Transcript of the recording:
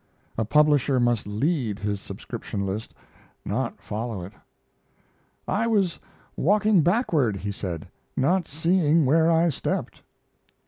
A publisher must lead his subscription list, not follow it. "I was walking backward," he said, "not seeing where I stepped."